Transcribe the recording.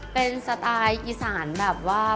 เป็นสไตล์อีสานแบบว่า